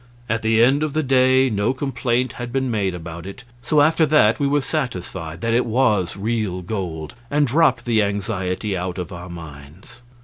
At the end of the day no complaint had been made about it, so after that we were satisfied that it was real gold, and dropped the anxiety out of our minds.